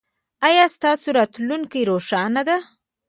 ایا ستاسو راتلونکې روښانه ده؟